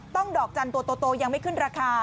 ต้องดอกจันตัวยังไม่ขึ้นราคา